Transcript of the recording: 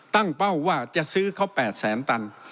ตั้งเป้าว่าจะซื้อเขา๘๐๐๐๐๐ตัน